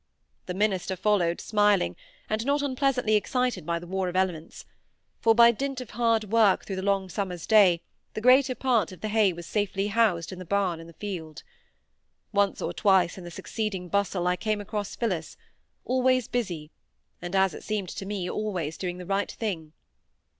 The minister followed, smiling, and not unpleasantly excited by the war of elements; for, by dint of hard work through the long summer's day, the greater part of the hay was safely housed in the barn in the field. Once or twice in the succeeding bustle I came across Phillis, always busy, and, as it seemed to me, always doing the right thing.